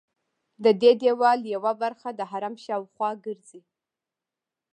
ددې دیوال یوه برخه د حرم شاوخوا ګرځي.